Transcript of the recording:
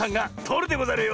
とるでござる！